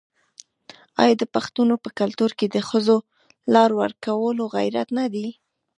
آیا د پښتنو په کلتور کې د ښځو لار ورکول غیرت نه دی؟